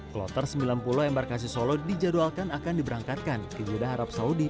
kloter sembilan puluh embarkasi solo dijadwalkan akan diberangkatkan ke jeddah arab saudi